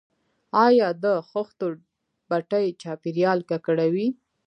آیا د خښتو بټۍ چاپیریال ککړوي؟